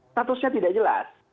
statusnya tidak jelas